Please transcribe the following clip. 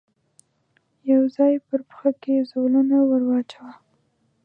يو ځای پر پښه کې زولنه ور واچاوه.